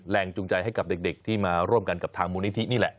จูงใจให้กับเด็กที่มาร่วมกันกับทางมูลนิธินี่แหละ